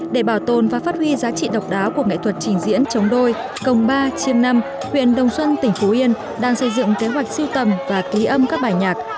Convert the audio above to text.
để bảo tồn và phát huy giá trị độc đáo của nghệ thuật trình diễn chống đôi công ba chiêm năm huyện đồng xuân tỉnh phú yên đang xây dựng kế hoạch siêu tầm và ký âm các bài nhạc